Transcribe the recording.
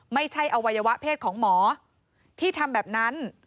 ไม่ใช่อวัยวะเพศของหมอที่ทำแบบนั้น